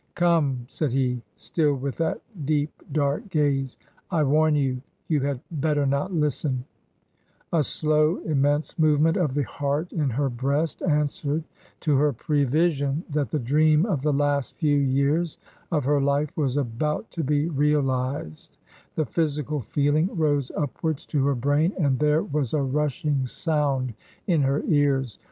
" Come !" said he, still with that deep, dark gaze ;" I warn you — ^you had better not listen^ A slow immense movement of the heart in her breast answered to her prevision that the dream of the last few years of her life was about to be realized ; the physi cal feeling rose upwards to her brain and there was a rushing sound in her ears.